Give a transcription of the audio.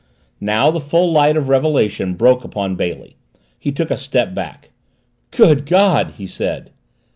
Now the full light of revelation broke upon Bailey. He took a step back. "Good God!" he said.